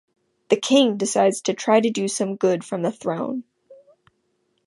The king decides to try to do some good from the throne.